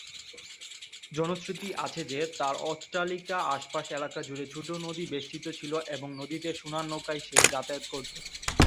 জনশ্রুতি আছে যে, তার অট্টালিকা আশপাশ এলাকা জুড়ে ছোট নদী বেষ্টিত ছিল এবং নদীতে সোনার নৌকায় সে যাতায়াত করতো।